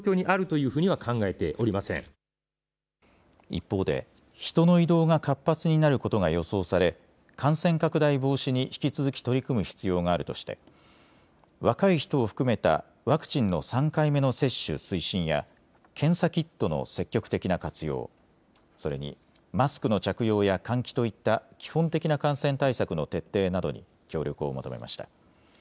一方で人の移動が活発になることが予想され感染拡大防止に引き続き取り組む必要があるとして若い人を含めたワクチンの３回目の接種推進や検査キットの積極的な活用、それにマスクの着用や換気といった基本的な感染対策の徹底などに協力を求めました。